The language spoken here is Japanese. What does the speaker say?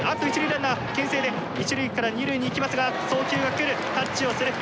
ランナーけん制で一塁から二塁に行きますが送球が来る。